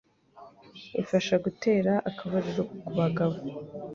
Ifasha gutera akabariro kubagabo